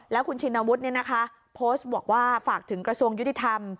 แล้วคุณชินวุฒิโพสต์บอกว่าฝากถึงกระทรวงยุติธรรม